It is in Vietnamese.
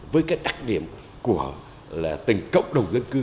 với cái đặc điểm của là từng cộng đồng dân cư